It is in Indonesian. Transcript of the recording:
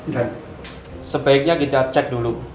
dan sebaiknya kita cek dulu